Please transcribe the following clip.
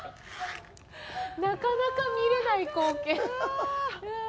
なかなか見られない光景。